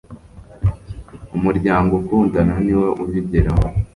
Umuryango ukundana niwo ubigeraho